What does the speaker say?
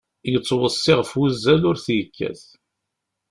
Yettweṣṣi ɣef wuzzal ur t-yekkat.